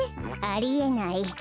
ありえない。